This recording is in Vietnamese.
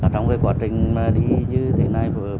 trong quá trình đi như thế này với chúng tôi thì nguy cơ rất là cao